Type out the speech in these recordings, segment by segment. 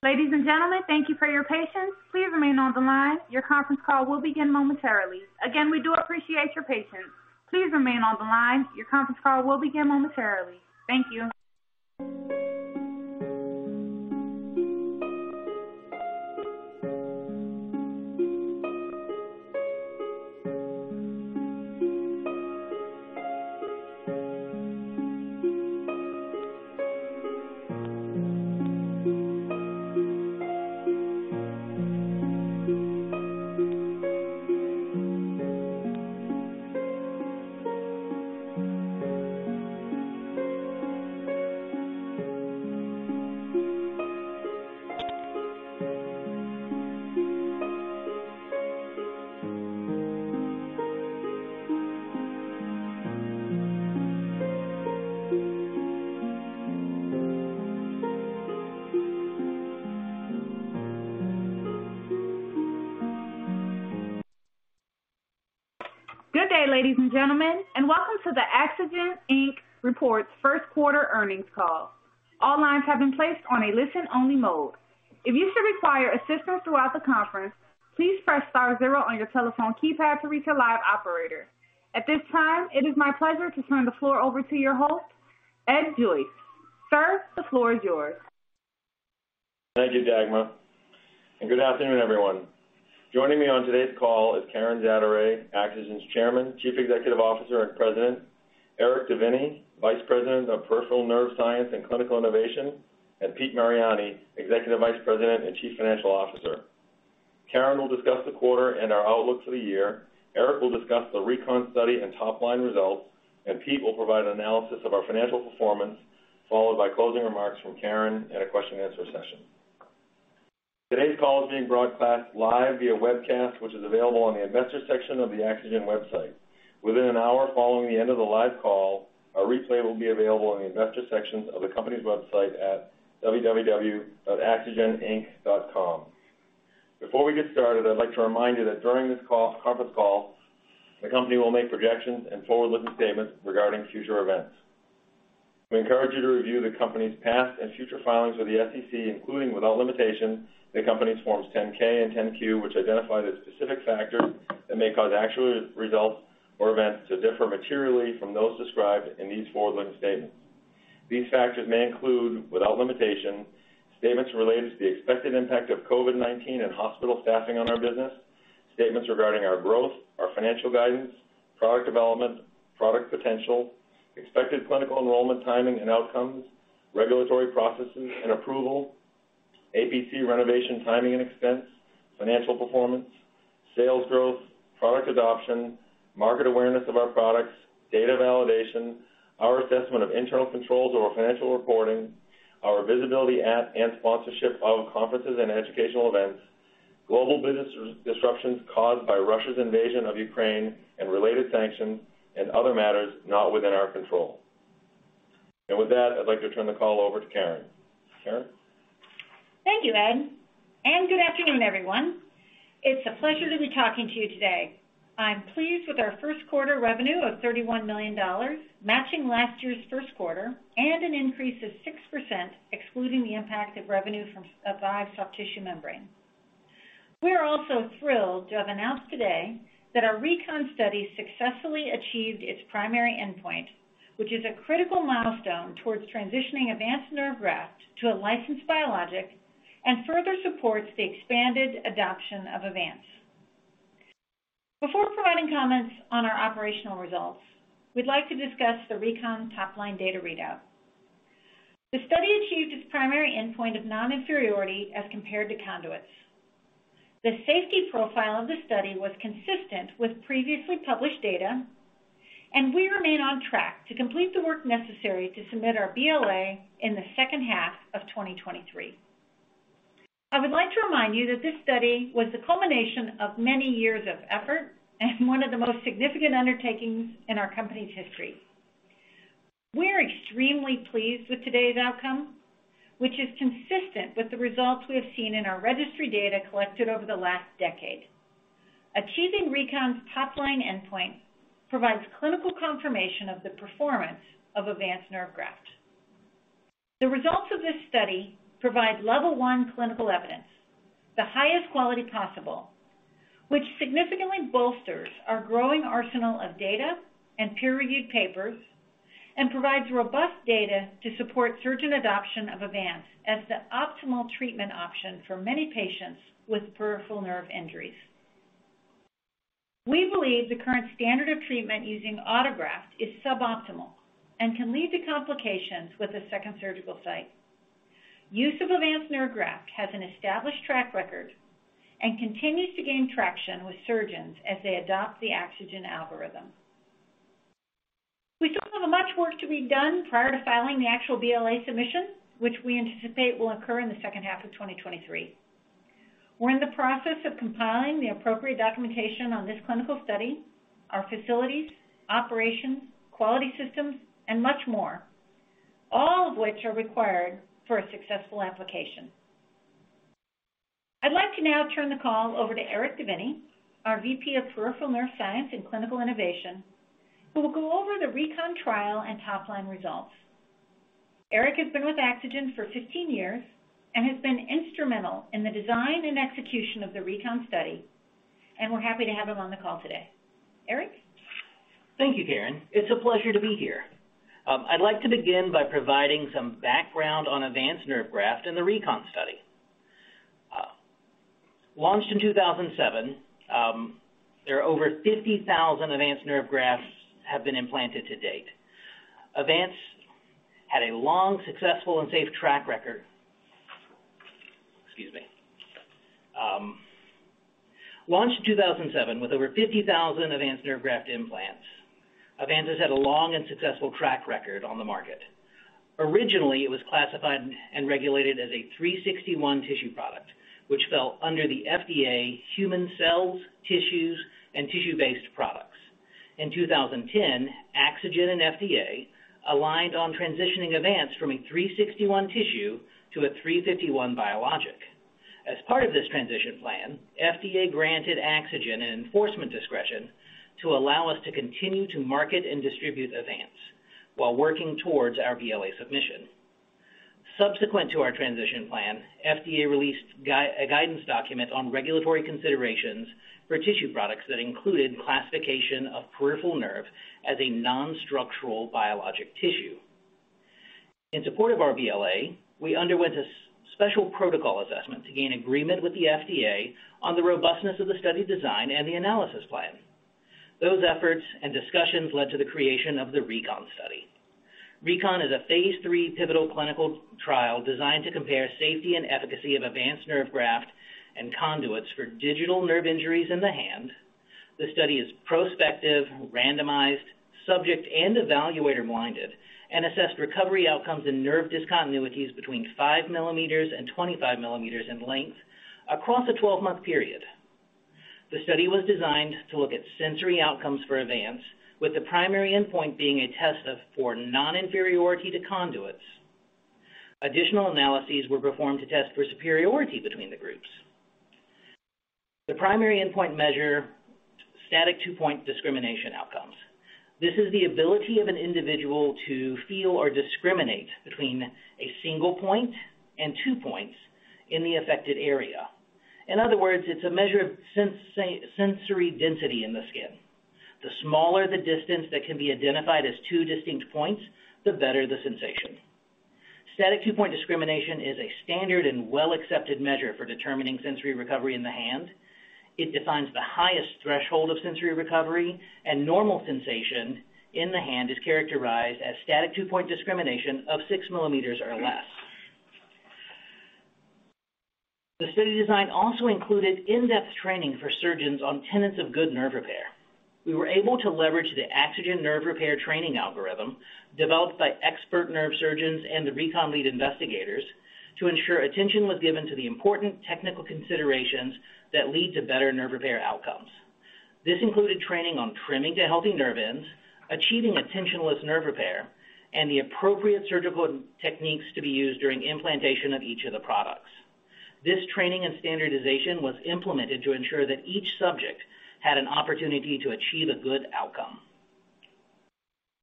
Good day, ladies and gentlemen, and welcome to the AxoGen, Inc. Reports First Quarter Earnings Call. All lines have been placed on a listen-only mode. If you should require assistance throughout the conference, please press star zero on your telephone keypad to reach a live operator. At this time, it is my pleasure to turn the floor over to your host, Ed Joyce. Sir, the floor is yours. Thank you, Dagma, and good afternoon, everyone. Joining me on today's call is Karen Zaderej, AxoGen's Chairman, Chief Executive Officer, and President, Erick DeVinney, Vice President of Peripheral Nerve Science and Clinical Innovation, and Pete Mariani, Executive Vice President and Chief Financial Officer. Karen will discuss the quarter and our outlook for the year. Erick will discuss the RECON study and top-line results, and Pete will provide analysis of our financial performance, followed by closing remarks from Karen and a question and answer session. Today's call is being broadcast live via webcast, which is available on the Investor section of the AxoGen website. Within an hour following the end of the live call, a replay will be available in the Investor section of the company's website at www.axogeninc.com. Before we get started, I'd like to remind you that during this call, conference call, the company will make projections and forward-looking statements regarding future events. We encourage you to review the company's past and future filings with the SEC, including, without limitation, the company's Forms 10-K and 10-Q, which identify the specific factors that may cause actual results or events to differ materially from those described in these forward-looking statements. These factors may include, without limitation, statements related to the expected impact of COVID-19 and hospital staffing on our business, statements regarding our growth, our financial guidance, product development, product potential, expected clinical enrollment, timing, and outcomes, regulatory processes and approval, APC renovation timing and expense, financial performance, sales growth, product adoption, market awareness of our products, data validation, our assessment of internal controls over financial reporting, our visibility at and sponsorship of conferences and educational events, global business disruptions caused by Russia's invasion of Ukraine and related sanctions and other matters not within our control. With that, I'd like to turn the call over to Karen. Karen? Thank you, Ed, and good afternoon, everyone. It's a pleasure to be talking to you today. I'm pleased with our first quarter revenue of $31 million, matching last year's first quarter and an increase of 6% excluding the impact of revenue from Avive Soft Tissue Membrane. We are also thrilled to have announced today that our RECON study successfully achieved its primary endpoint, which is a critical milestone towards transitioning Avance Nerve Graft to a licensed biologic and further supports the expanded adoption of Avance. Before providing comments on our operational results, we'd like to discuss the RECON top-line data readout. The study achieved its primary endpoint of non-inferiority as compared to conduits. The safety profile of the study was consistent with previously published data, and we remain on track to complete the work necessary to submit our BLA in the second half of 2023. I would like to remind you that this study was the culmination of many years of effort and one of the most significant undertakings in our company's history. We are extremely pleased with today's outcome, which is consistent with the results we have seen in our registry data collected over the last decade. Achieving RECON's top-line endpoint provides clinical confirmation of the performance of Avance Nerve Graft. The results of this study provide Level I clinical evidence, the highest quality possible, which significantly bolsters our growing arsenal of data and peer-reviewed papers, and provides robust data to support surgeon adoption of Avance as the optimal treatment option for many patients with peripheral nerve injuries. We believe the current standard of treatment using autograft is suboptimal and can lead to complications with a second surgical site. Use of advanced nerve graft has an established track record and continues to gain traction with surgeons as they adopt the AxoGen algorithm. We still have much work to be done prior to filing the actual BLA submission, which we anticipate will occur in the second half of 2023. We're in the process of compiling the appropriate documentation on this clinical study, our facilities, operations, quality systems, and much more, all of which are required for a successful application. I'd like to now turn the call over to Erick DeVinney, our VP of Peripheral Nerve Science and Clinical Innovation, who will go over the RECON trial and top-line results. Erick has been with AxoGen for 15 years and has been instrumental in the design and execution of the RECON study, and we're happy to have him on the call today. Erick? Thank you, Karen. It's a pleasure to be here. I'd like to begin by providing some background on Avance Nerve Graft in the RECON study. Launched in 2007 with over 50,000 Avance Nerve Graft implants. Avance has had a long and successful track record on the market. Originally, it was classified and regulated as a 361 tissue product, which fell under the FDA Human Cells, Tissues, and Cellular and Tissue-Based Products. In 2010, AxoGen and FDA aligned on transitioning Avance from a 361 tissue to a 351 biologic. As part of this transition plan, FDA granted AxoGen an enforcement discretion to allow us to continue to market and distribute Avance while working towards our BLA submission. Subsequent to our transition plan, FDA released a guidance document on regulatory considerations for tissue products that included classification of peripheral nerve as a non-structural biologic tissue. In support of our BLA, we underwent a Special Protocol Assessment to gain agreement with the FDA on the robustness of the study design and the analysis plan. Those efforts and discussions led to the creation of the RECON study. RECON is a phase III pivotal clinical trial designed to compare safety and efficacy of Avance Nerve Graft and conduits for digital nerve injuries in the hand. The study is prospective, randomized, subject, and evaluator blinded, and assessed recovery outcomes and nerve discontinuities between 5 millimeters and 25 millimeters in length across a 12-month period. The study was designed to look at sensory outcomes for Avance, with the primary endpoint being a test of for non-inferiority to conduits. Additional analyses were performed to test for superiority between the groups. The primary endpoint measure, Static Two-Point Discrimination outcomes. This is the ability of an individual to feel or discriminate between a single point and two points in the affected area. In other words, it's a measure of sensory density in the skin. The smaller the distance that can be identified as two distinct points, the better the sensation. Static Two-Point Discrimination is a standard and well-accepted measure for determining sensory recovery in the hand. It defines the highest threshold of sensory recovery, and normal sensation in the hand is characterized as Static Two-Point Discrimination of six millimeters or less. The study design also included in-depth training for surgeons on tenets of good nerve repair. We were able to leverage the AxoGen nerve repair training algorithm developed by expert nerve surgeons and the RECON lead investigators to ensure attention was given to the important technical considerations that lead to better nerve repair outcomes. This included training on trimming to healthy nerve ends, achieving tensionless nerve repair, and the appropriate surgical techniques to be used during implantation of each of the products. This training and standardization was implemented to ensure that each subject had an opportunity to achieve a good outcome.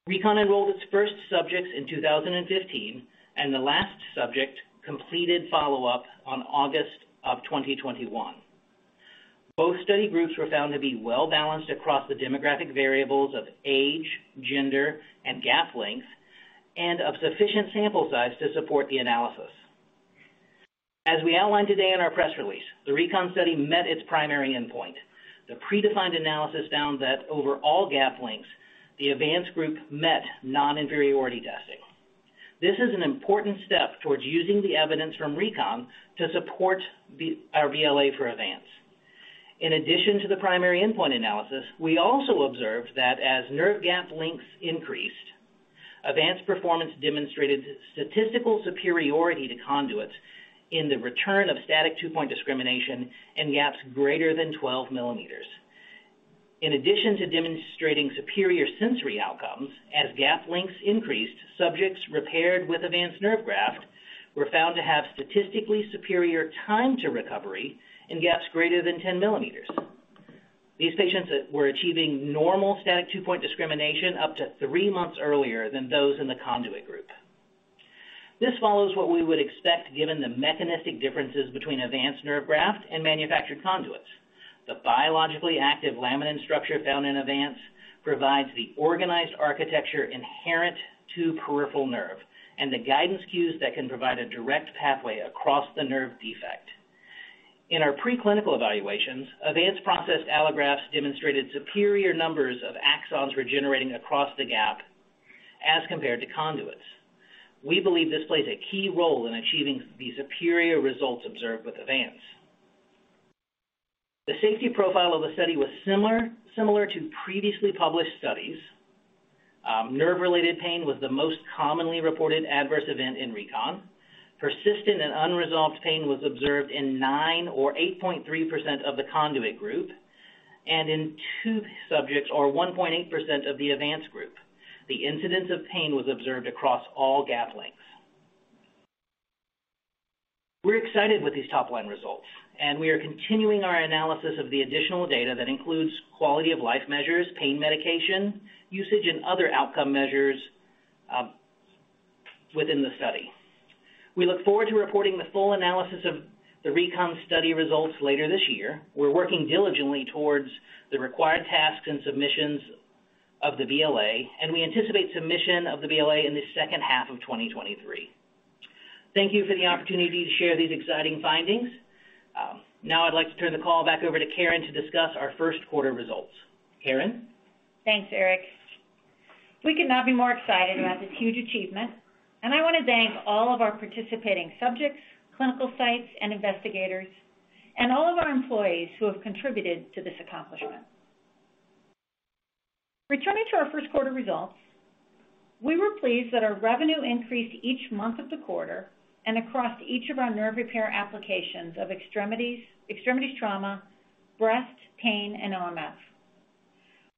RECON enrolled its first subjects in 2015, and the last subject completed follow-up on August 2021. Both study groups were found to be well-balanced across the demographic variables of age, gender, and gap length, and of sufficient sample size to support the analysis. As we outlined today in our press release, the RECON study met its primary endpoint. The predefined analysis found that over all gap lengths, the Avance group met non-inferiority testing. This is an important step towards using the evidence from RECON to support our BLA for Avance. In addition to the primary endpoint analysis, we also observed that as nerve gap lengths increased, Avance performance demonstrated statistical superiority to conduits in the return of Static Two-Point Discrimination in gaps greater than 12 millimeters. In addition to demonstrating superior sensory outcomes, as gap lengths increased, subjects repaired with Avance Nerve Graft were found to have statistically superior time to recovery in gaps greater than 10 millimeters. These patients were achieving normal Static Two-Point Discrimination up to three months earlier than those in the Conduit group. This follows what we would expect given the mechanistic differences between Avance Nerve Graft and manufactured conduits. The biologically active Laminin structure found in Avance provides the organized architecture inherent to peripheral nerve and the guidance cues that can provide a direct pathway across the nerve defect. In our preclinical evaluations, Avance Processed Allografts demonstrated superior numbers of axons regenerating across the gap as compared to conduits. We believe this plays a key role in achieving the superior results observed with Avance. The safety profile of the study was similar to previously published studies. Nerve-related pain was the most commonly reported adverse event in RECON. Persistent and unresolved pain was observed in nine or 8.3% of the conduit group and in two subjects or 1.8% of the Avance group. The incidence of pain was observed across all gap lengths. We're excited with these top-line results, and we are continuing our analysis of the additional data that includes quality of life measures, pain medication usage, and other outcome measures within the study. We look forward to reporting the full analysis of the RECON study results later this year. We're working diligently towards the required tasks and submissions of the BLA, and we anticipate submission of the BLA in the second half of 2023. Thank you for the opportunity to share these exciting findings. Now I'd like to turn the call back over to Karen to discuss our first quarter results. Karen? Thanks, Erick. We could not be more excited about this huge achievement, and I want to thank all of our participating subjects, clinical sites, and investigators, and all of our employees who have contributed to this accomplishment. Returning to our first quarter results, we were pleased that our revenue increased each month of the quarter and across each of our nerve repair applications of extremities trauma, breast, pain, and OMF.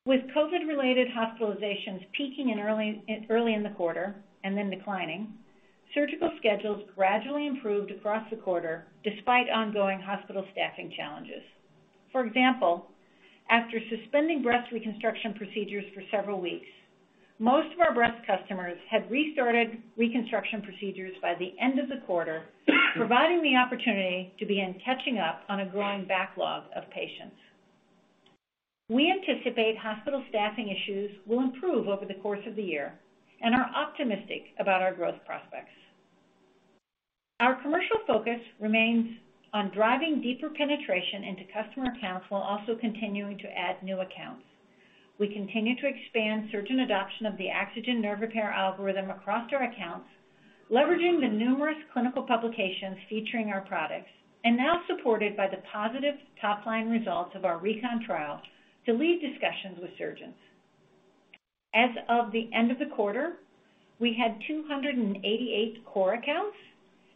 With COVID-related hospitalizations peaking early in the quarter and then declining, surgical schedules gradually improved across the quarter despite ongoing hospital staffing challenges. For example, after suspending breast reconstruction procedures for several weeks, most of our breast customers had restarted reconstruction procedures by the end of the quarter, providing the opportunity to begin catching up on a growing backlog of patients. We anticipate hospital staffing issues will improve over the course of the year and are optimistic about our growth prospects. Our commercial focus remains on driving deeper penetration into customer accounts while also continuing to add new accounts. We continue to expand surgeon adoption of the AxoGen Nerve Repair algorithm across our accounts, leveraging the numerous clinical publications featuring our products, and now supported by the positive top-line results of our RECON trial to lead discussions with surgeons. As of the end of the quarter, we had 288 core accounts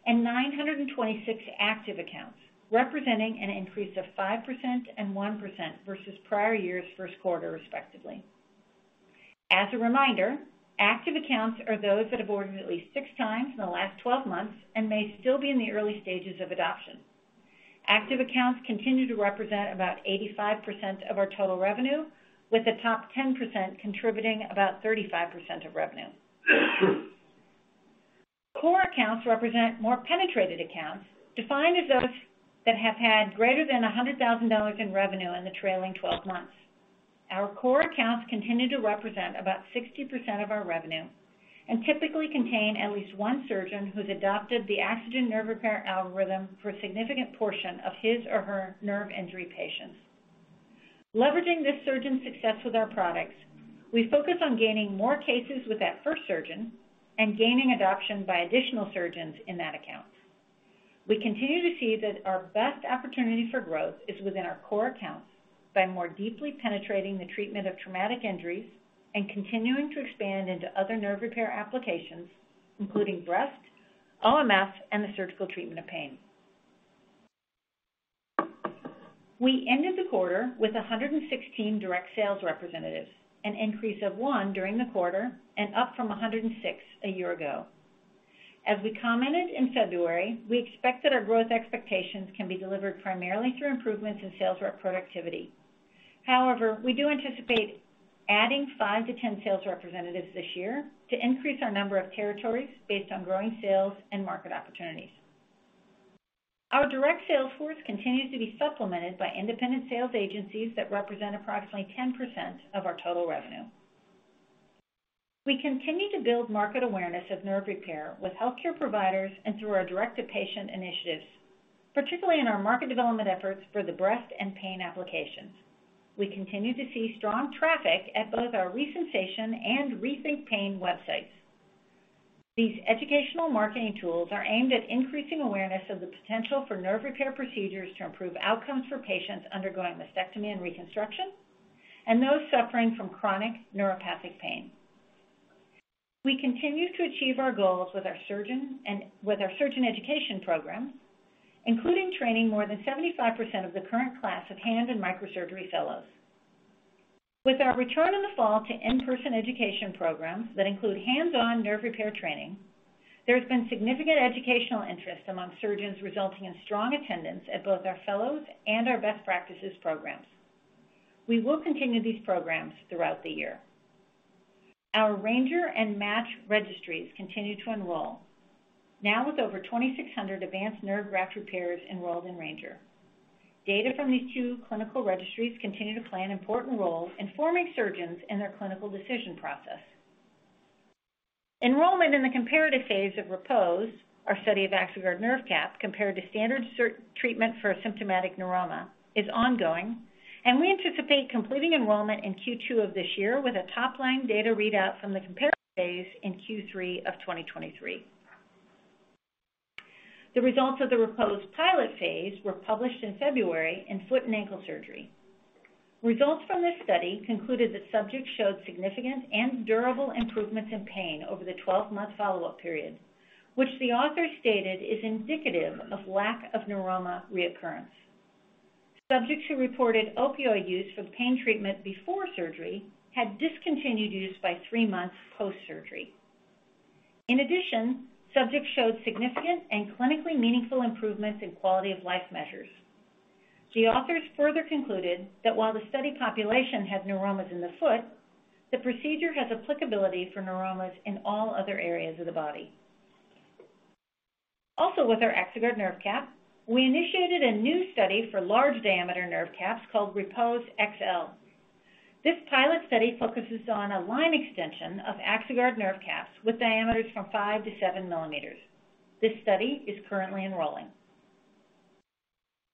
and 926 active accounts, representing an increase of 5% and 1% versus prior year's first quarter, respectively. As a reminder, active accounts are those that have ordered at least six times in the last 12 months and may still be in the early stages of adoption. Active accounts continue to represent about 85% of our total revenue, with the top 10% contributing about 35% of revenue. Core accounts represent more penetrated accounts, defined as those that have had greater than $100,000 in revenue in the trailing twelve months. Our core accounts continue to represent about 60% of our revenue and typically contain at least one surgeon who's adopted the AxoGen Nerve Repair algorithm for a significant portion of his or her nerve injury patients. Leveraging this surgeon's success with our products, we focus on gaining more cases with that first surgeon and gaining adoption by additional surgeons in that account. We continue to see that our best opportunity for growth is within our core accounts by more deeply penetrating the treatment of traumatic injuries and continuing to expand into other nerve repair applications, including breast, OMF, and the surgical treatment of pain. We ended the quarter with 116 direct sales representatives, an increase of one during the quarter and up from 106 a year ago. As we commented in February, we expect that our growth expectations can be delivered primarily through improvements in sales rep productivity. However, we do anticipate adding 5-10 sales representatives this year to increase our number of territories based on growing sales and market opportunities. Our direct sales force continues to be supplemented by independent sales agencies that represent approximately 10% of our total revenue. We continue to build market awareness of nerve repair with healthcare providers and through our direct-to-patient initiatives, particularly in our market development efforts for the breast and pain applications. We continue to see strong traffic at both our Resensation and Rethink Pain websites. These educational marketing tools are aimed at increasing awareness of the potential for nerve repair procedures to improve outcomes for patients undergoing mastectomy and reconstruction, and those suffering from chronic neuropathic pain. We continue to achieve our goals with our surgeon education programs, including training more than 75% of the current class of hand and microsurgery fellows. With our return in the fall to in-person education programs that include hands-on nerve repair training, there has been significant educational interest among surgeons, resulting in strong attendance at both our fellows and our best practices programs. We will continue these programs throughout the year. Our RANGER and MATCH registries continue to enroll, now with over 2,600 Avance Nerve Graft repairs enrolled in RANGER. Data from these two clinical registries continue to play an important role informing surgeons in their clinical decision process. Enrollment in the comparative phase of REPOSE, our study of AxoGuard Nerve Cap compared to standard surgical treatment for asymptomatic neuroma is ongoing, and we anticipate completing enrollment in Q2 of this year with a top-line data readout from the comparative phase in Q3 of 2023. The results of the REPOSE pilot phase were published in February in Foot & Ankle Surgery. Results from this study concluded that subjects showed significant and durable improvements in pain over the 12-month follow-up period, which the author stated is indicative of lack of neuroma reoccurrence. Subjects who reported opioid use for pain treatment before surgery had discontinued use by three months post-surgery. In addition, subjects showed significant and clinically meaningful improvements in quality of life measures. The authors further concluded that while the study population had neuromas in the foot, the procedure has applicability for neuromas in all other areas of the body. Also with our Axoguard Nerve Cap, we initiated a new study for large diameter nerve caps called REPOSE XL. This pilot study focuses on a line extension of Axoguard Nerve Caps with diameters from 5-7 millimeters. This study is currently enrolling.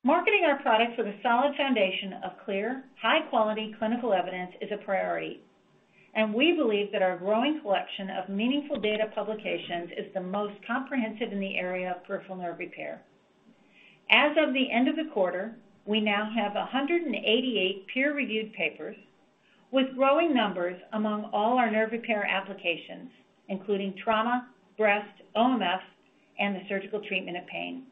Marketing our products with a solid foundation of clear, high-quality clinical evidence is a priority, and we believe that our growing collection of meaningful data publications is the most comprehensive in the area of peripheral nerve repair. As of the end of the quarter, we now have 188 peer-reviewed papers with growing numbers among all our nerve repair applications, including trauma, breast, OMF, and the surgical treatment of pain.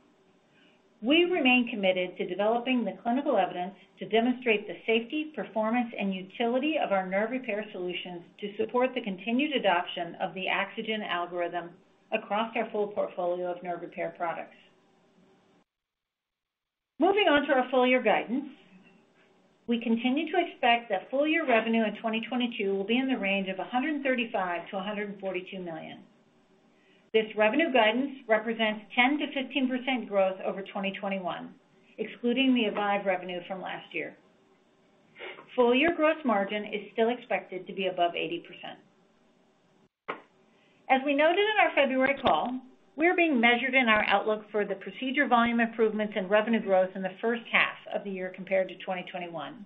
We remain committed to developing the clinical evidence to demonstrate the safety, performance, and utility of our nerve repair solutions to support the continued adoption of the AxoGen algorithm across our full portfolio of nerve repair products. Moving on to our full year guidance. We continue to expect that full year revenue in 2022 will be in the range of $135 million-$142 million. This revenue guidance represents 10%-15% growth over 2021, excluding the Avive revenue from last year. Full year gross margin is still expected to be above 80%. As we noted in our February call, we are being measured in our outlook for the procedure volume improvements and revenue growth in the first half of the year compared to 2021.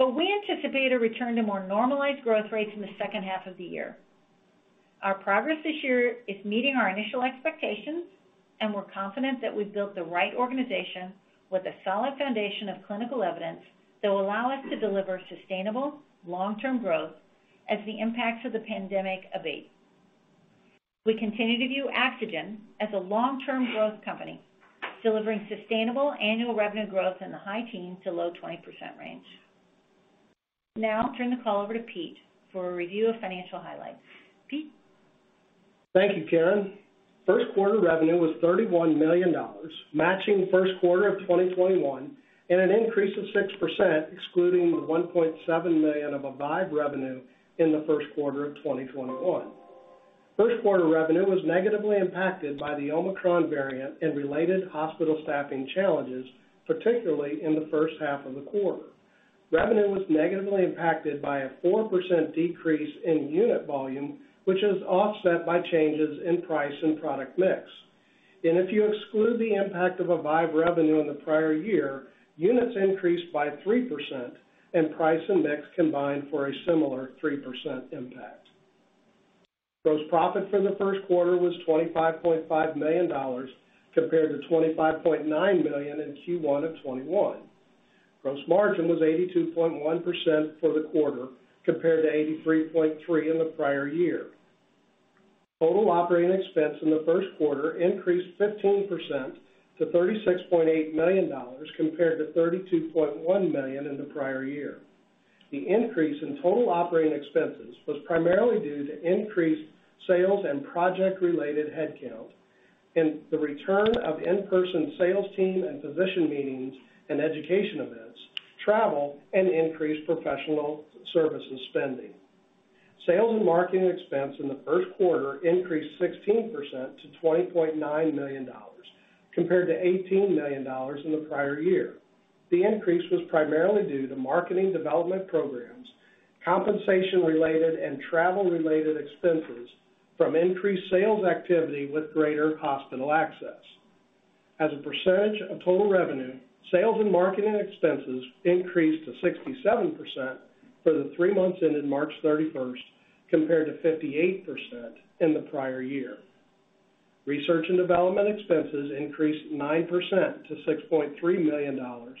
We anticipate a return to more normalized growth rates in the second half of the year. Our progress this year is meeting our initial expectations, and we're confident that we've built the right organization with a solid foundation of clinical evidence that will allow us to deliver sustainable long-term growth as the impacts of the pandemic abate. We continue to view AxoGen as a long-term growth company, delivering sustainable annual revenue growth in the high teens to low 20% range. Now I'll turn the call over to Pete for a review of financial highlights. Pete? Thank you, Karen. First quarter revenue was $31 million, matching first quarter of 2021 and an increase of 6% excluding the $1.7 million of Avive revenue in the first quarter of 2021. First quarter revenue was negatively impacted by the Omicron variant and related hospital staffing challenges, particularly in the first half of the quarter. Revenue was negatively impacted by a 4% decrease in unit volume, which is offset by changes in price and product mix. If you exclude the impact of Avive revenue in the prior year, units increased by 3%, and price and mix combined for a similar 3% impact. Gross profit for the first quarter was $25.5 million compared to $25.9 million in Q1 of 2021. Gross margin was 82.1% for the quarter compared to 83.3% in the prior year. Total operating expense in the first quarter increased 15% to $36.8 million compared to $32.1 million in the prior year. The increase in total operating expenses was primarily due to increased sales and project-related headcount, and the return of in-person sales team and physician meetings and education events, travel, and increased professional services spending. Sales and marketing expense in the first quarter increased 16% to $20.9 million compared to $18 million in the prior year. The increase was primarily due to marketing development programs, compensation-related and travel-related expenses from increased sales activity with greater hospital access. As a percentage of total revenue, sales and marketing expenses increased to 67% for the three months ended March 31, compared to 58% in the prior year. Research and development expenses increased 9% to $6.3 million,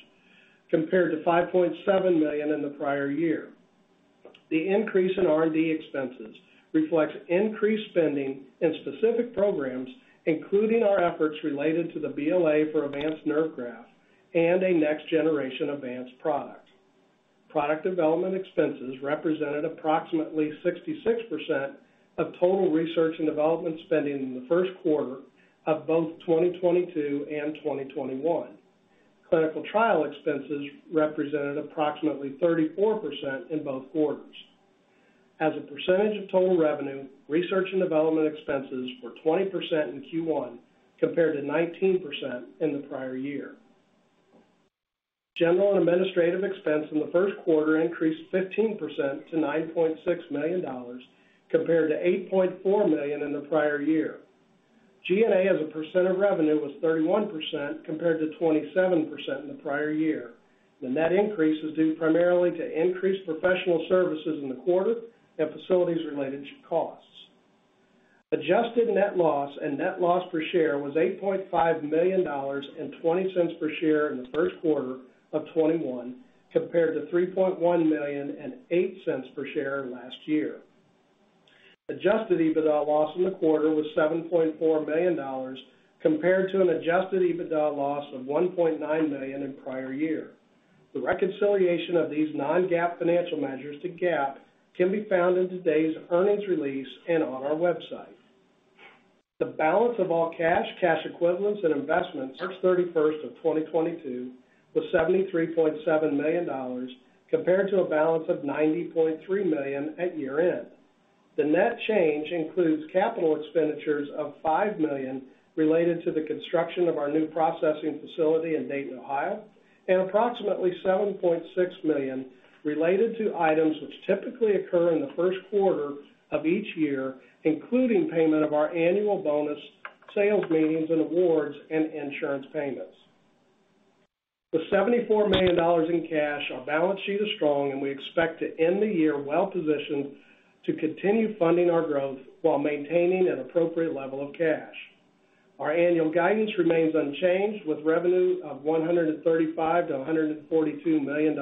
compared to $5.7 million in the prior year. The increase in R&D expenses reflects increased spending in specific programs, including our efforts related to the BLA for Avance Nerve Graft and a next generation advanced product. Product development expenses represented approximately 66% of total research and development spending in the first quarter of both 2022 and 2021. Clinical trial expenses represented approximately 34% in both quarters. As a percentage of total revenue, research and development expenses were 20% in Q1 compared to 19% in the prior year. General and administrative expense in the first quarter increased 15% to $9.6 million, compared to $8.4 million in the prior year. G&A as a percent of revenue was 31% compared to 27% in the prior year. The net increase was due primarily to increased professional services in the quarter and facilities related costs. Adjusted net loss and net loss per share was $8.5 million and $0.20 per share in the first quarter of 2021 compared to $3.1 million and $0.08 per share last year. Adjusted EBITDA loss in the quarter was $7.4 billion compared to an adjusted EBITDA loss of $1.9 million in prior year. The reconciliation of these non-GAAP financial measures to GAAP can be found in today's earnings release and on our website. The balance of all cash equivalents and investments March 31, 2022 was $73.7 million compared to a balance of $90.3 million at year-end. The net change includes capital expenditures of $5 million related to the construction of our new processing facility in Dayton, Ohio, and approximately $7.6 million related to items which typically occur in the first quarter of each year, including payment of our annual bonuses, sales meetings and awards and insurance payments. With $74 million in cash, our balance sheet is strong, and we expect to end the year well-positioned to continue funding our growth while maintaining an appropriate level of cash. Our annual guidance remains unchanged with revenue of $135 million-$142 million,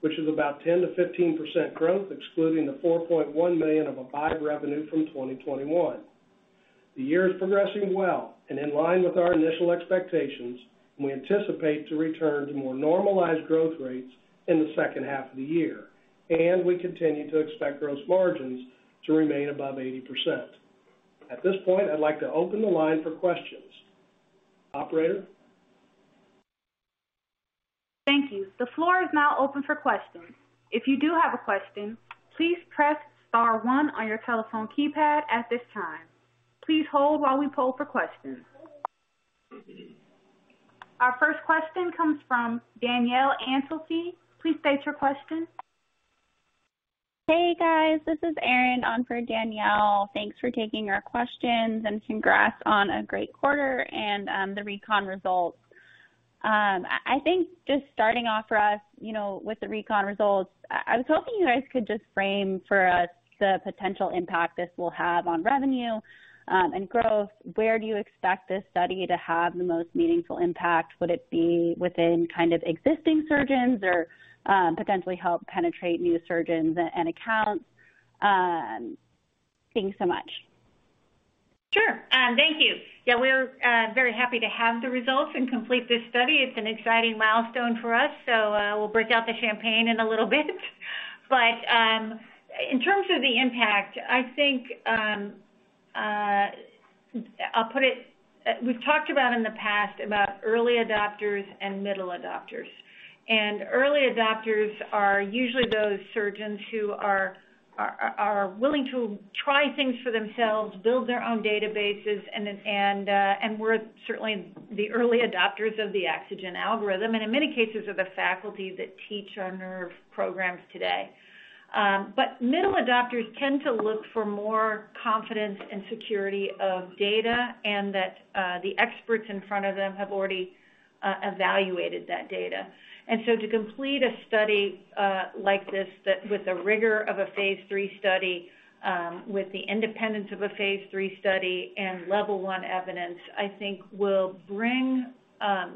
which is about 10%-15% growth, excluding the $4.1 million of acquired revenue from 2021. The year is progressing well and in line with our initial expectations, and we anticipate to return to more normalized growth rates in the second half of the year, and we continue to expect gross margins to remain above 80%. At this point, I'd like to open the line for questions. Operator? Thank you. The floor is now open for questions. If you do have a question, please press star one on your telephone keypad at this time. Please hold while we poll for questions. Our first question comes from Danielle. Please state your question. Hey, guys, this is Erin on for Danielle. Thanks for taking our questions and congrats on a great quarter and the RECON results. I think just starting off for us, you know, with the RECON results, I was hoping you guys could just frame for us the potential impact this will have on revenue and growth. Where do you expect this study to have the most meaningful impact? Would it be within kind of existing surgeons or potentially help penetrate new surgeons and accounts? Thanks so much. Sure. Thank you. Yeah, we're very happy to have the results and complete this study. It's an exciting milestone for us, so we'll break out the champagne in a little bit. In terms of the impact, I think I'll put it. We've talked about in the past about early adopters and middle adopters. Early adopters are usually those surgeons who are willing to try things for themselves, build their own databases, and were certainly the early adopters of the AxoGen algorithm, and in many cases are the faculty that teach our nerve programs today. Middle adopters tend to look for more confidence and security of data and that the experts in front of them have already evaluated that data. To complete a study like this that with the rigor of a phase three study with the independence of a phase III study and level one evidence, I think will bring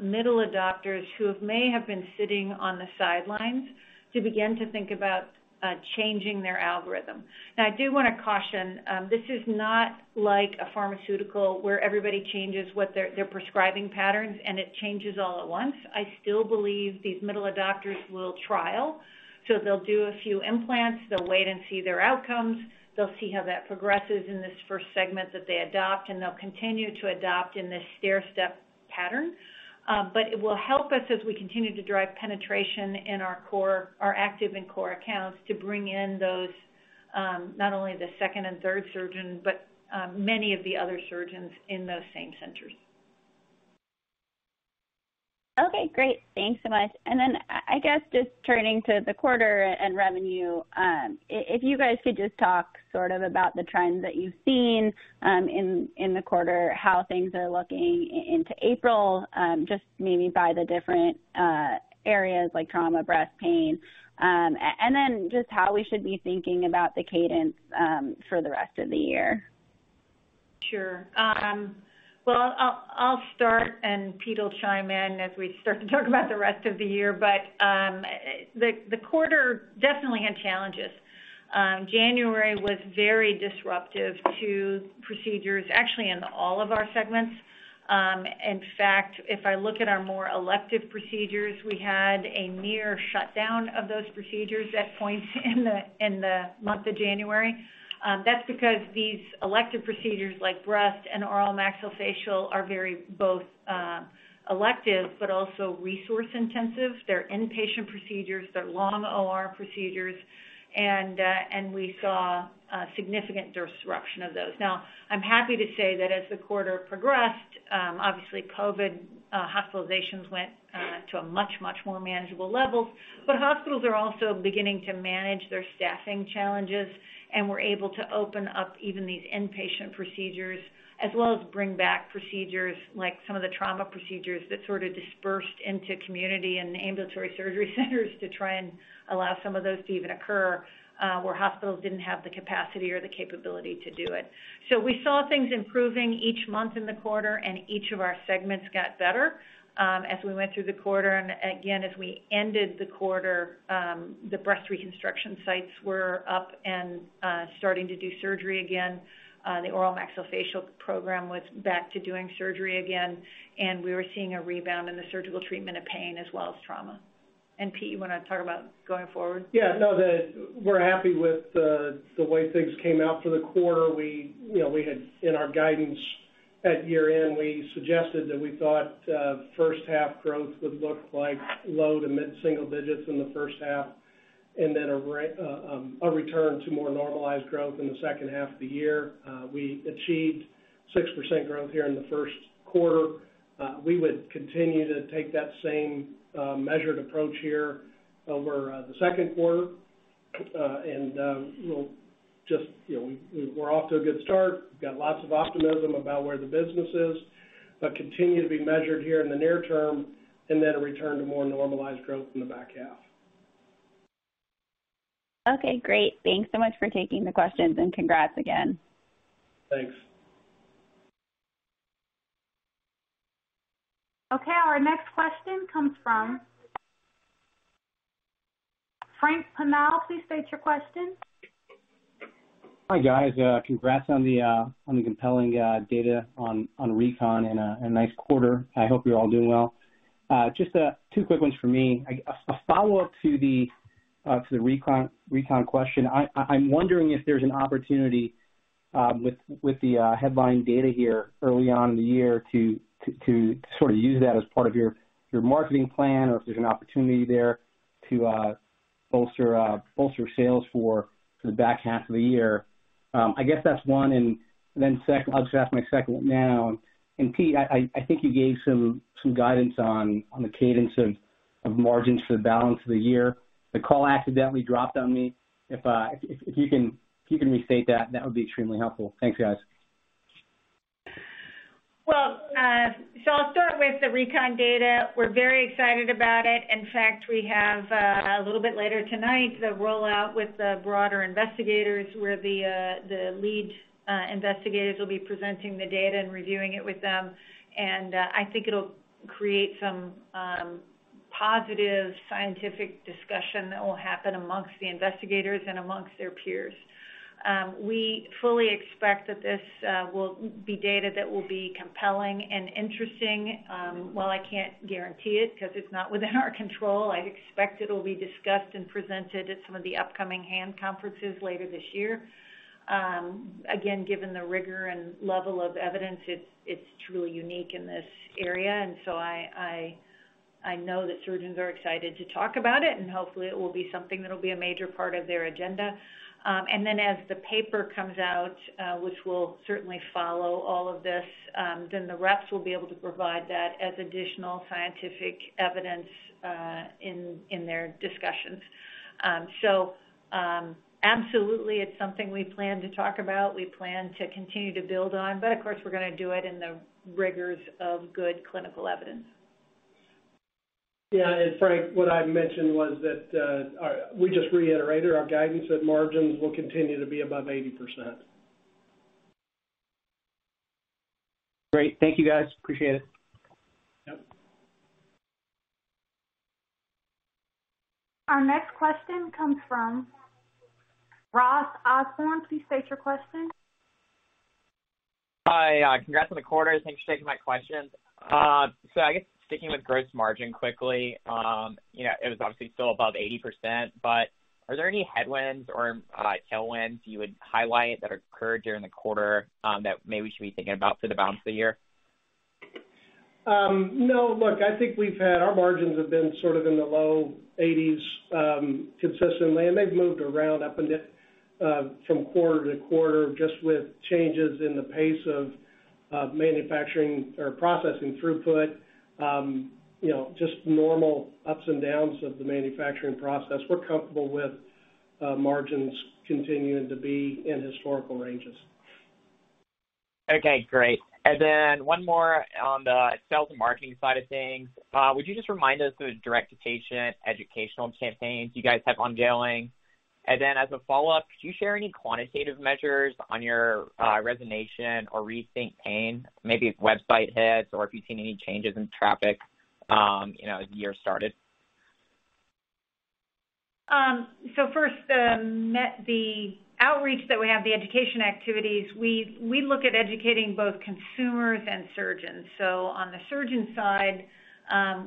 middle adopters who may have been sitting on the sidelines to begin to think about changing their algorithm. Now, I do wanna caution this is not like a pharmaceutical where everybody changes what their prescribing patterns and it changes all at once. I still believe these middle adopters will trial. They'll do a few implants. They'll wait and see their outcomes. They'll see how that progresses in this first segment that they adopt, and they'll continue to adopt in this stairstep pattern. It will help us as we continue to drive penetration in our active and core accounts to bring in those, not only the second and third surgeons, but many of the other surgeons in those same centers. Okay, great. Thanks so much. Then I guess just turning to the quarter and revenue, if you guys could just talk sort of about the trends that you've seen in the quarter, how things are looking into April, just maybe by the different areas like trauma, breast, pain, and then just how we should be thinking about the cadence for the rest of the year. Sure. Well, I'll start, and Pete will chime in as we start to talk about the rest of the year. The quarter definitely had challenges. January was very disruptive to procedures actually in all of our segments. In fact, if I look at our more elective procedures, we had a near shutdown of those procedures at points in the month of January. That's because these elective procedures like breast and oral maxillofacial are very both elective but also resource-intensive. They're inpatient procedures. They're long OR procedures, and we saw a significant disruption of those. Now, I'm happy to say that as the quarter progressed, obviously COVID hospitalizations went to a much more manageable level. Hospitals are also beginning to manage their staffing challenges, and we're able to open up even these inpatient procedures as well as bring back procedures like some of the trauma procedures that sort of dispersed into community and ambulatory surgery centers to try and allow some of those to even occur, where hospitals didn't have the capacity or the capability to do it. We saw things improving each month in the quarter, and each of our segments got better, as we went through the quarter. Again, as we ended the quarter, the breast reconstruction sites were up and, starting to do surgery again. The oral maxillofacial program was back to doing surgery again, and we were seeing a rebound in the surgical treatment of pain as well as trauma. Pete, you want to talk about going forward? Yeah. No, we're happy with the way things came out for the quarter. We, you know, we had in our guidance at year-end, we suggested that we thought, first half growth would look like low to mid-single-digits in the first half and then a return to more normalized growth in the second half of the year. We achieved 6% growth here in the first quarter. We would continue to take that same measured approach here over the second quarter. And we'll just, you know, we're off to a good start. We've got lots of optimism about where the business is, but continue to be measured here in the near term and then a return to more normalized growth in the back half. Okay, great. Thanks so much for taking the questions, and congrats again. Thanks. Okay, our next question comes from Frank. Please state your question. Hi, guys, congrats on the compelling data on RECON and a nice quarter. I hope you're all doing well. Just two quick ones for me. A follow-up to the RECON question. I'm wondering if there's an opportunity with the headline data here early on in the year to sort of use that as part of your marketing plan or if there's an opportunity there to bolster sales for the back half of the year. I guess that's one. Then I'll just ask my second one now. Pete, I think you gave some guidance on the cadence of margins for the balance of the year. The call accidentally dropped on me. If you can restate that would be extremely helpful. Thanks, guys. I'll start with the RECON data. We're very excited about it. In fact, we have a little bit later tonight the rollout with the broader investigators, where the lead investigators will be presenting the data and reviewing it with them. I think it'll create some positive scientific discussion that will happen amongst the investigators and amongst their peers. We fully expect that this will be data that will be compelling and interesting. While I can't guarantee it, 'cause it's not within our control, I expect it'll be discussed and presented at some of the upcoming hand conferences later this year. Again, given the rigor and level of evidence, it's truly unique in this area, and so I know that surgeons are excited to talk about it, and hopefully, it will be something that'll be a major part of their agenda. As the paper comes out, which will certainly follow all of this, then the reps will be able to provide that as additional scientific evidence in their discussions. Absolutely, it's something we plan to talk about, we plan to continue to build on, but of course, we're gonna do it in the rigors of good clinical evidence. Yeah. Frank, what I mentioned was that we just reiterated our guidance that margins will continue to be above 80%. Great. Thank you, guys. Appreciate it. Yep. Our next question comes from Ross Osborn. Please state your question. Hi, congrats on the quarter. Thanks for taking my questions. I guess sticking with gross margin quickly, you know, it was obviously still above 80%, but are there any headwinds or tailwinds you would highlight that occurred during the quarter, that maybe we should be thinking about for the balance of the year? No. Look, I think our margins have been sort of in the low 80s, consistently, and they've moved around up a bit, from quarter to quarter, just with changes in the pace of manufacturing or processing throughput. You know, just normal ups and downs of the manufacturing process. We're comfortable with margins continuing to be in historical ranges. Okay, great. One more on the sales and marketing side of things. Would you just remind us of the direct-to-patient educational campaigns you guys have ongoing? As a follow-up, could you share any quantitative measures on your Resensation or Rethink Pain, maybe if website hits or if you've seen any changes in traffic, you know, as the year started? First, the outreach that we have, the education activities, we look at educating both consumers and surgeons. On the surgeon side,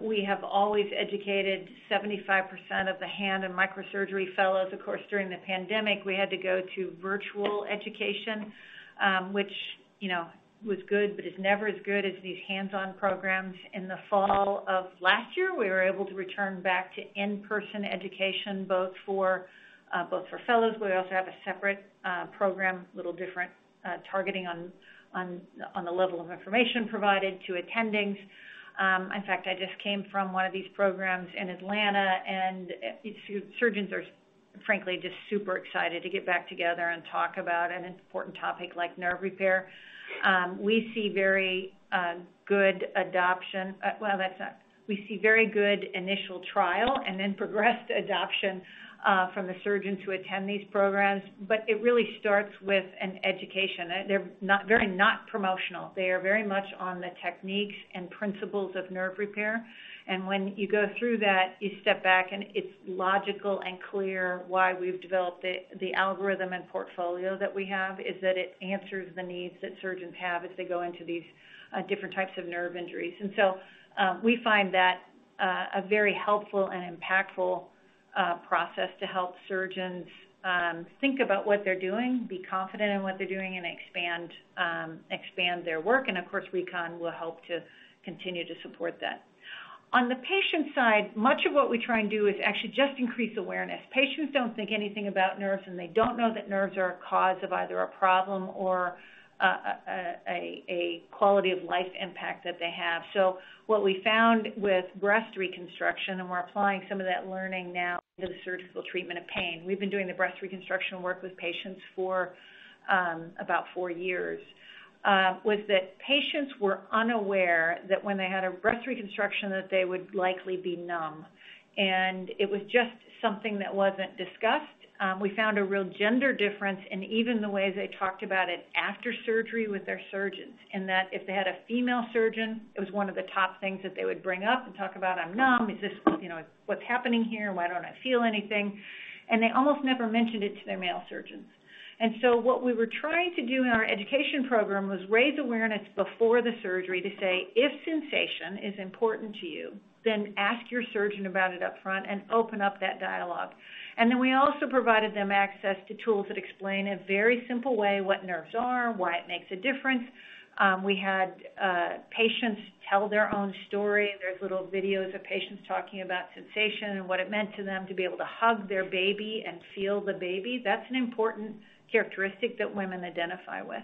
we have always educated 75% of the hand and microsurgery fellows. Of course, during the pandemic, we had to go to virtual education, which, you know, was good but is never as good as these hands-on programs. In the fall of last year, we were able to return back to in-person education, both for fellows. We also have a separate program, little different, targeting on the level of information provided to attendings. In fact, I just came from one of these programs in Atlanta, and these surgeons are frankly just super excited to get back together and talk about an important topic like nerve repair. We see very good adoption. We see very good initial trial and then progressed adoption from the surgeons who attend these programs, but it really starts with an education. They're not very promotional. They are very much on the techniques and principles of nerve repair. When you go through that, you step back, and it's logical and clear why we've developed it. The algorithm and portfolio that we have is that it answers the needs that surgeons have as they go into these different types of nerve injuries. We find that a very helpful and impactful process to help surgeons think about what they're doing, be confident in what they're doing, and expand their work. Of course, RECON will help to continue to support that. On the patient side, much of what we try and do is actually just increase awareness. Patients don't think anything about nerves, and they don't know that nerves are a cause of either a problem or a quality of life impact that they have. What we found with breast reconstruction, and we're applying some of that learning now to the surgical treatment of pain. We've been doing the breast reconstruction work with patients for about four years. What we found was that patients were unaware that when they had a breast reconstruction, that they would likely be numb. It was just something that wasn't discussed. We found a real gender difference in even the way they talked about it after surgery with their surgeons, in that if they had a female surgeon, it was one of the top things that they would bring up and talk about, "I'm numb. Is this, you know, what's happening here? Why don't I feel anything?" They almost never mentioned it to their male surgeons. What we were trying to do in our education program was raise awareness before the surgery to say, "If sensation is important to you, then ask your surgeon about it up front and open up that dialogue." We also provided them access to tools that explain in a very simple way what nerves are, why it makes a difference. We had patients tell their own story. There's little videos of patients talking about sensation and what it meant to them to be able to hug their baby and feel the baby. That's an important characteristic that women identify with.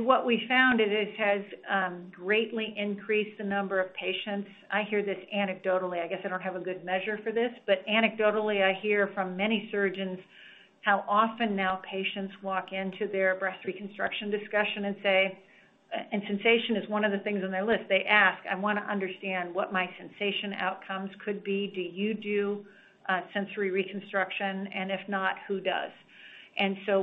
What we found is it has greatly increased the number of patients. I hear this anecdotally, I guess I don't have a good measure for this, but anecdotally, I hear from many surgeons how often now patients walk into their breast reconstruction discussion and say, and sensation is one of the things on their list. They ask, "I wanna understand what my sensation outcomes could be. Do you do sensory reconstruction? And if not, who does?"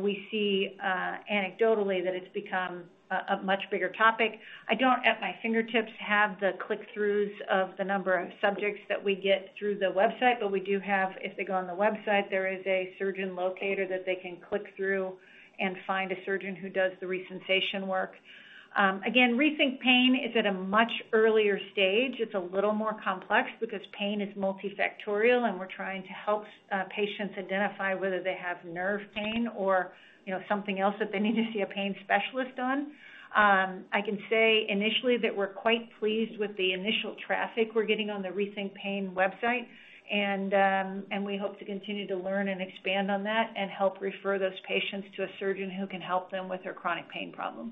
We see anecdotally that it's become a much bigger topic. I don't, at my fingertips, have the click-throughs of the number of subjects that we get through the website, but we do have. If they go on the website, there is a surgeon locator that they can click through and find a surgeon who does the Resensation work. Again, Rethink Pain is at a much earlier stage. It's a little more complex because pain is multifactorial, and we're trying to help patients identify whether they have nerve pain or, you know, something else that they need to see a pain specialist on. I can say initially that we're quite pleased with the initial traffic we're getting on the Rethink Pain website, and we hope to continue to learn and expand on that and help refer those patients to a surgeon who can help them with their chronic pain problem.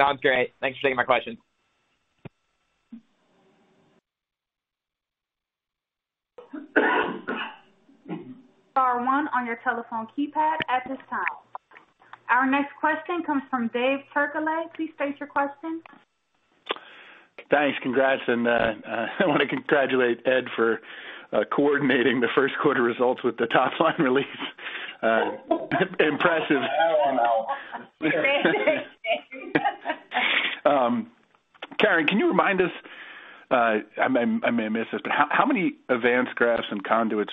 Sounds great. Thanks for taking my questions. Star one on your telephone keypad at this time. Our next question comes from David Turkaly. Please state your question. Thanks. Congrats. I wanna congratulate Ed for coordinating the first quarter results with the top-line release. Impressive. Karen, can you remind us? I may have missed this, but how many Avance grafts and conduits,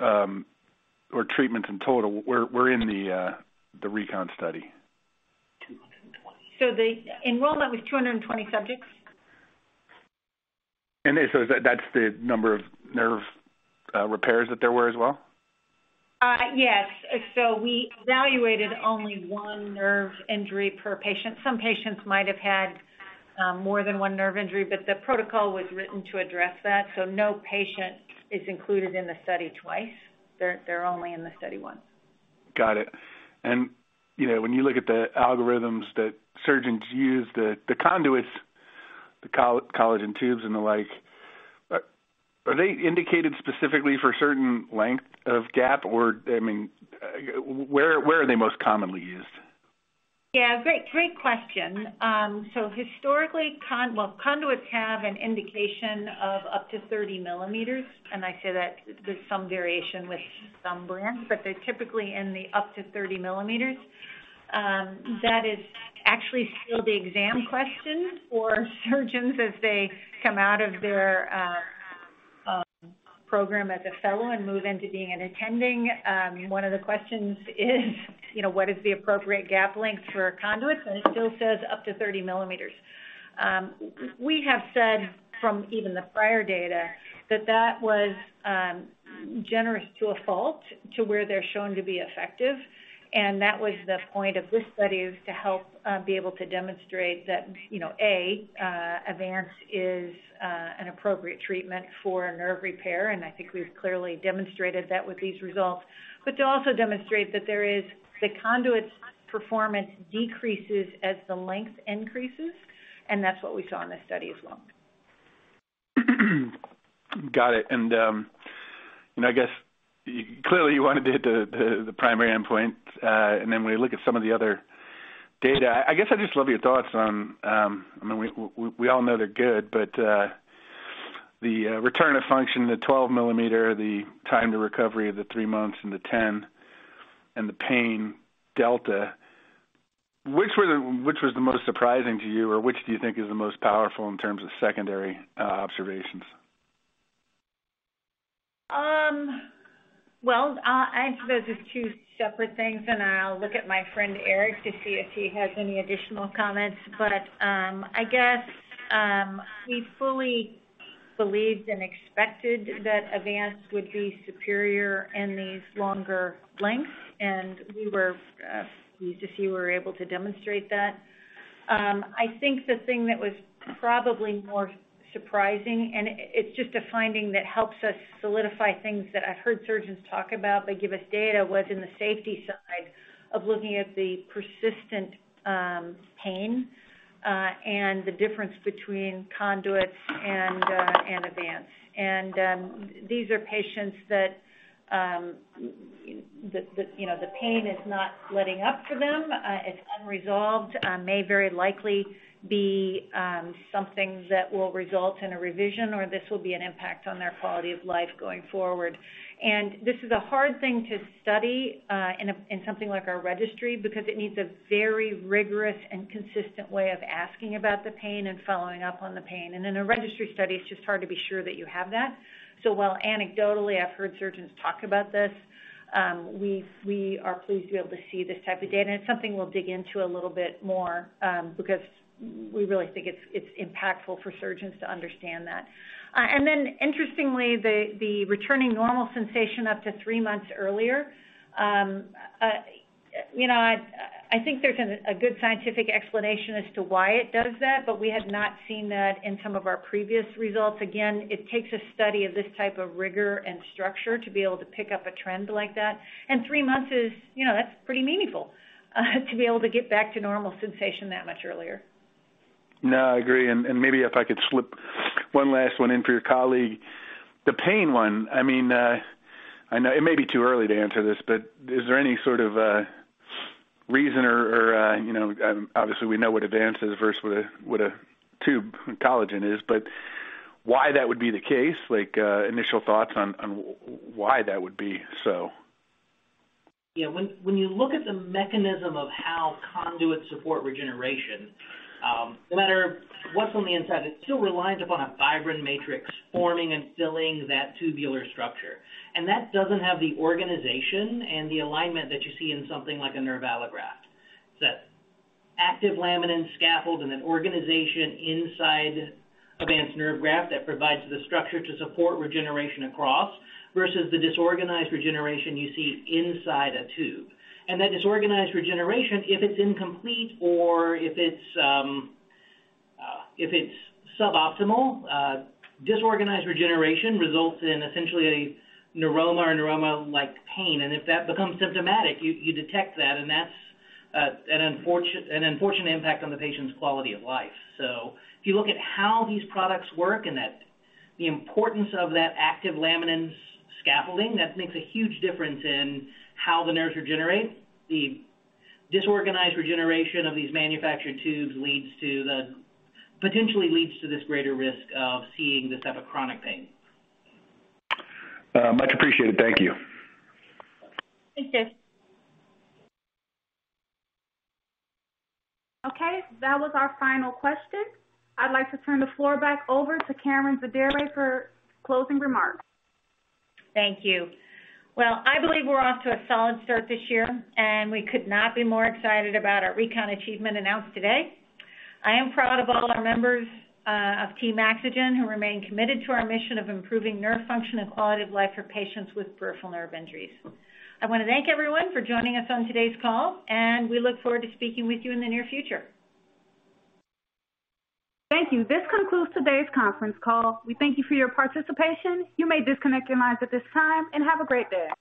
or treatments in total were in the RECON study? 220. The enrollment was 220 subjects. That, that's the number of nerve repairs that there were as well? We evaluated only one nerve injury per patient. Some patients might have had more than one nerve injury, but the protocol was written to address that. No patient is included in the study twice. They're only in the study once. Got it. You know, when you look at the algorithms that surgeons use, the conduits, the collagen tubes and the like, are they indicated specifically for certain length of gap? Or, I mean, where are they most commonly used? Yeah. Great question. So historically, well, conduits have an indication of up to 30 millimeters, and I say that there's some variation with some brands, but they're typically up to 30 millimeters. That is actually still the exam question for surgeons as they come out of their program as a fellow and move into being an attending. One of the questions is, you know, what is the appropriate gap length for a conduit? And it still says up to 30 millimeters. We have said from even the prior data that that was generous to a fault to where they're shown to be effective. That was the point of this study is to help be able to demonstrate that, you know, Avance is an appropriate treatment for nerve repair, and I think we've clearly demonstrated that with these results. To also demonstrate that there is the conduit's performance decreases as the length increases, and that's what we saw in this study as well. Got it. I guess clearly you wanted to hit the primary endpoint. When you look at some of the other data, I guess I'd just love your thoughts on. I mean, we all know they're good, but the return of function, the 12 millimeter, the time to recovery of the three months and the 10, and the pain delta, which was the most surprising to you, or which do you think is the most powerful in terms of secondary observations? Well, I think those are two separate things, and I'll look at my friend Erick DeVinney to see if he has any additional comments. I guess we fully believed and expected that Avance would be superior in these longer lengths, and we were pleased to see we were able to demonstrate that. I think the thing that was probably more surprising, and it's just a finding that helps us solidify things that I've heard surgeons talk about, they give us data, was in the safety side of looking at the persistent pain and the difference between conduits and Avance. These are patients that the you know the pain is not letting up for them, it's unresolved, may very likely be something that will result in a revision or this will be an impact on their quality of life going forward. This is a hard thing to study in something like our registry because it needs a very rigorous and consistent way of asking about the pain and following up on the pain. In a registry study, it's just hard to be sure that you have that. While anecdotally I've heard surgeons talk about this, we are pleased to be able to see this type of data, and it's something we'll dig into a little bit more because we really think it's impactful for surgeons to understand that. Interestingly, the returning normal sensation up to three months earlier, you know, I think there's a good scientific explanation as to why it does that, but we have not seen that in some of our previous results. Again, it takes a study of this type of rigor and structure to be able to pick up a trend like that. Three months is, you know, that's pretty meaningful, to be able to get back to normal sensation that much earlier. No, I agree. Maybe if I could slip one last one in for your colleague. The pain one, I mean, I know it may be too early to answer this, but is there any sort of a reason or, you know, obviously we know what Avance is versus what a tube collagen is, but why that would be the case? Like, initial thoughts on why that would be so? Yeah. When you look at the mechanism of how conduits support regeneration, no matter what's on the inside, it still relies upon a fibrin matrix forming and filling that tubular structure. That doesn't have the organization and the alignment that you see in something like a nerve allograft. It's that active Laminin scaffold and an organization inside Avance Nerve Graft that provides the structure to support regeneration across versus the disorganized regeneration you see inside a tube. That disorganized regeneration, if it's incomplete or if it's suboptimal, disorganized regeneration results in essentially a neuroma or neuroma-like pain. If that becomes symptomatic, you detect that, and that's an unfortunate impact on the patient's quality of life. If you look at how these products work and that the importance of that active laminin scaffolding, that makes a huge difference in how the nerves regenerate. The disorganized regeneration of these manufactured tubes potentially leads to this greater risk of seeing this type of chronic pain. Much appreciated. Thank you. Thank you. Okay. That was our final question. I'd like to turn the floor back over to Karen Zaderej for closing remarks. Thank you. Well, I believe we're off to a solid start this year, and we could not be more excited about our RECON achievement announced today. I am proud of all our members of Team AxoGen who remain committed to our mission of improving nerve function and quality of life for patients with peripheral nerve injuries. I wanna thank everyone for joining us on today's call, and we look forward to speaking with you in the near future. Thank you. This concludes today's conference call. We thank you for your participation. You may disconnect your lines at this time, and have a great day.